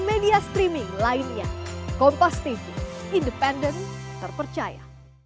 media streaming lainnya kompas tv independen terpercaya